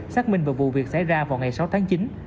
xác minh và vụ việc xảy ra vào ngày sáu tháng chín